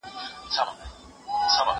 زه اوږده وخت د کتابتوننۍ سره خبري کوم!